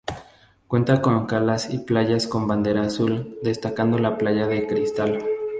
Cuenta con calas y playas con bandera azul, destacando la Playa de Cristal.